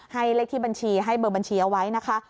เลขที่บัญชีให้เบอร์บัญชีเอาไว้นะคะ